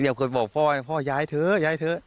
เรียกว่าบอกพ่อพ่อย้ายเถอะย้ายเถอะ